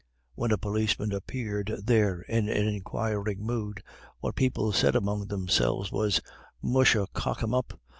When a policeman appeared there in an inquiring mood, what people said among themselves was, "Musha cock him up.